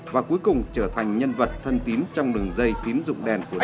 và cuối cùng trở thành nhân vật thân tím trong đường dây tím dụng đèn của đức